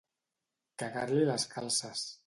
Cagar-li les calces.